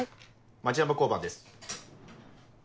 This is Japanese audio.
町山交番です。